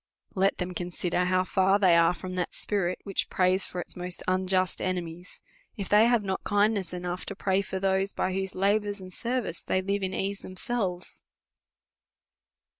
Let them consider how far they are from that spirit, which prays for its most un just enemies, if they have not kindness enoui^h to pray for those by whose labour and service they live in ease themselves.